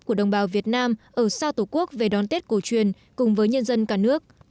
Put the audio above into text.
của đồng bào việt nam ở xa tổ quốc về đón tết cổ truyền cùng với nhân dân cả nước